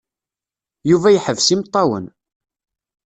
Yuba yeḥbes imeṭṭawen.